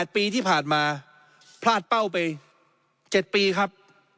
๘ปีที่ผ่านมาพลาดเป้าไป๗ปีครับ